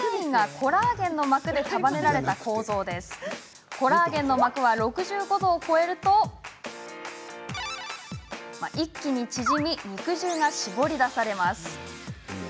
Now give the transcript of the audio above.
コラーゲンの膜は６５度を超えると一気に縮み肉汁が絞り出されます。